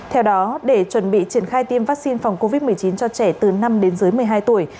theo đó để chuẩn bị triển khai tiêm vaccine phòng covid một mươi chín cho trẻ từ năm đến dưới một mươi hai tuổi